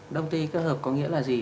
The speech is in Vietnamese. đông tay kết hợp có nghĩa là gì